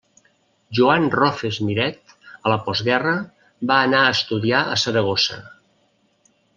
Joan Rofes Miret, a la postguerra, va anar a estudiar a Saragossa.